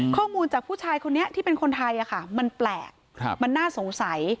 ข้อมูลจากผู้ชายคนนี้ที่เป็นคนไทยมันแปลกมันน่าสงสัย